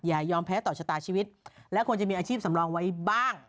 ยอมแพ้ต่อชะตาชีวิตและควรจะมีอาชีพสำรองไว้บ้าง